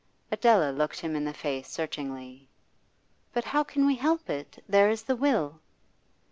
Adela looked him in the face searchingly. 'But how can we help it? There is the will.